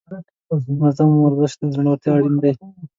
منظم ورزش د زړه لپاره اړین دی.